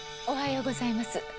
おはようございます。